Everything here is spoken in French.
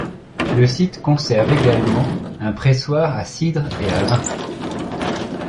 Le site conserve également, un pressoir à cidre et à vin.